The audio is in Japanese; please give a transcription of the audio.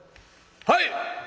「はい！」。